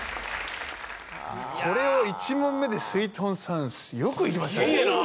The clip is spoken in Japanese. これを１問目ですいとんさんよくいきましたね。